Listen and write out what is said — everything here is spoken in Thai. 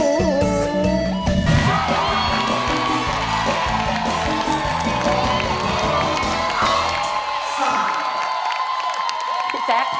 พี่แจ๊ค